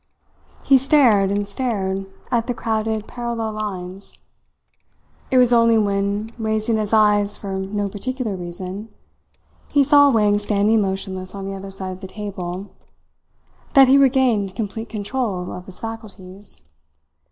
He stared and stared at the crowded, parallel lines. It was only when, raising his eyes for no particular reason, he saw Wang standing motionless on the other side of the table, that he regained complete control of his faculties.